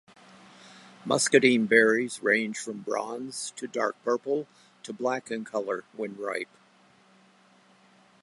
Muscadine berries range from bronze to dark purple to black in color when ripe.